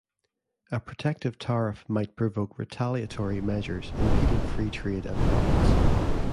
A protective tariff might provoke retaliatory measures, impeding free trade and profits.